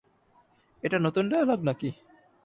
এটা নতুন ডায়লগ নাকি?